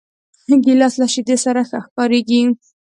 ګیلاس له شیدو سره هم کارېږي.